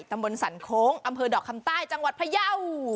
ตำบลสันโค้งอำเภอดอกคำใต้จังหวัดพยาว